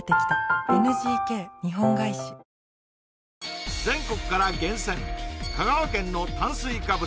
「ＮＧＫ日本ガイシ」全国から厳選香川県の炭水化物